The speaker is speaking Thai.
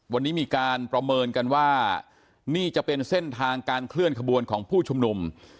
วันนี้มีการประเมินกันว่านี่จะเป็นเส้นทางการเคลื่อนขบวนของผู้ชุมนุม